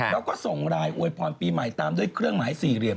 แล้วก็ส่งไลน์อวยพรปีใหม่ตามด้วยเครื่องหมายสี่เหลี่ยม